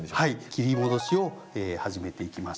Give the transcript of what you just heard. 切り戻しを始めていきましょう。